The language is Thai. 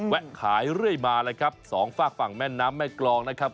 ขายเรื่อยมาเลยครับสองฝากฝั่งแม่น้ำแม่กรองนะครับ